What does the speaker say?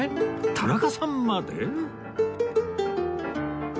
田中さんまで？